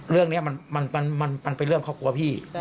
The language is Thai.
เรื่องนี้มันเป็นเรื่องครอบครัวพี่